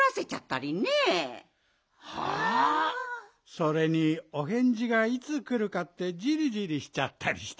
それにおへんじがいつくるかってじりじりしちゃったりして。